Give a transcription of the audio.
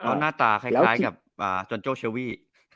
เพราะหน้าตาคล้ายกับจนโจเชียวี